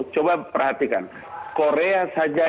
coba perhatikan korea saja